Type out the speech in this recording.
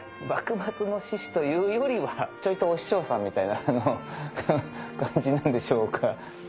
幕末の志士というよりはちょいとお師匠さんみたいな感じなんでしょうか。